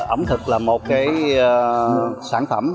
ẩm thực là một sản phẩm